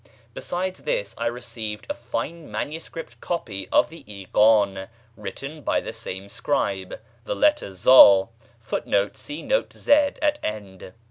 Besides this I received a fine MS. copy of the Ikán written by the same scribe, "the Letter Zá" [footnote: See Note Z at end.